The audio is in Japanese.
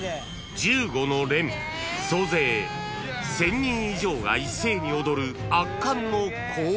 ［総勢１，０００人以上が一斉に踊る圧巻の光景！］